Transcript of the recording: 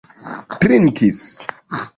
trinkis